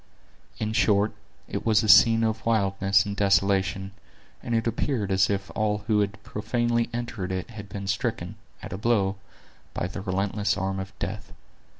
In short, it was a scene of wildness and desolation; and it appeared as if all who had profanely entered it had been stricken, at a blow, by the relentless arm of death.